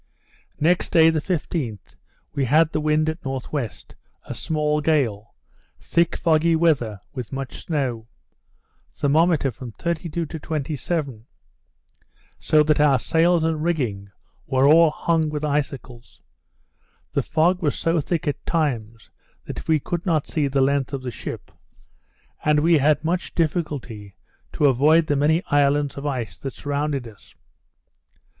Next day, the 15th, we had the wind at N.W., a small gale, thick foggy weather, with much snow; thermometer from 32 to 27; so that our sails and rigging were all hung with icicles. The fog was so thick at times, that we could not see the length of the ship; and we had much difficulty to avoid the many islands of ice that surrounded us.